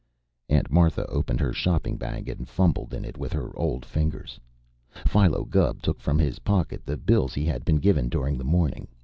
Aunt Martha opened her shopping bag, and fumbled in it with her old fingers. Philo Gubb took from his pocket the bills he had been given during the morning.